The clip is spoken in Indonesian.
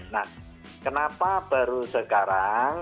nah kenapa baru sekarang